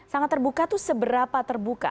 sangat terbuka itu seberapa terbuka